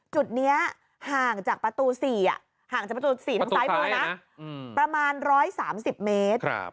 จุดนี้ห่างจากประตู๔ทางซ้ายประมาณ๑๓๐เมตร